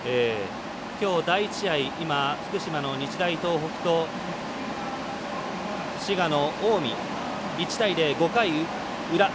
きょう、第１試合福島の日大東北と滋賀の近江、１対０、５回裏。